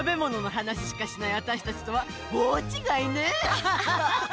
アハハハハ！